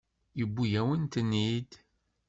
Yewwi-yawen-ten-id.